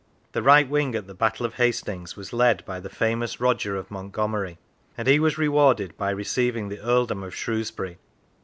The right wing at the Battle of Hastings was led by the famous Roger of Mont gomery, and he was rewarded by receiving the Earldom of Shrewsbury.